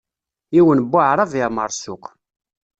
Yiwen n waɛṛab yeɛmeṛ ssuq.